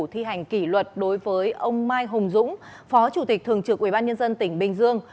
thi hành kỷ luật đối với ông mai hùng dũng phó chủ tịch thường trực ubnd tỉnh bình dương